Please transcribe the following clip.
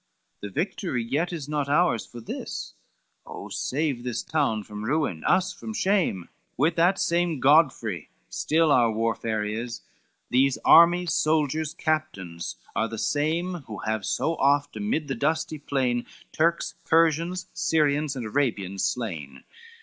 The victory yet is not ours for this, Oh save this town from ruin, us from shame! With that same Godfrey still our warfare is, These armies, soldiers, captains are the same Who have so oft amid the dusty plain Turks, Persians, Syrians and Arabians slain.